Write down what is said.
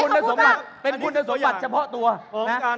นี่เป็นความสามารถจะเปิดจบประมาณประมาณงาน